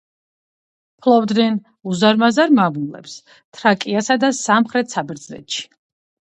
ფლობდნენ უზარმაზარ მამულებს თრაკიასა და სამხრეთ საბერძნეთში.